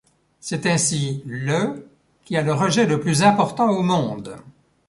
C'est ainsi le qui a le rejet le plus important au monde.